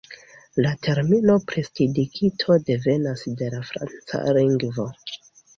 La termino "prestidigito" devenas de la franca lingvo.